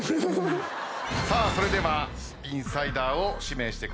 それではインサイダーを指名してください。